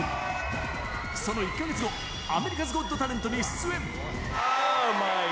その１か月後、アメリカズ・ゴット・タレントに出演。